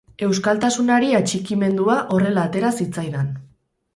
Euskaltasunari atxikimendua horrela atera zitzaidan.